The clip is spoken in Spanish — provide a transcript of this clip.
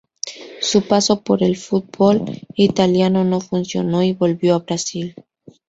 Su paso por el fútbol italiano no funcionó y volvió a Brasil.